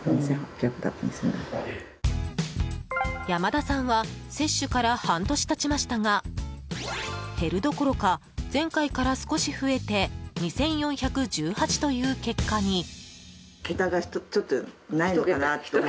山田さんは接種から半年経ちましたが減るどころか、前回から少し増えて２４１８という結果に。